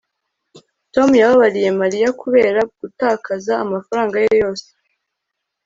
tom yababariye mariya kubera gutakaza amafaranga ye yose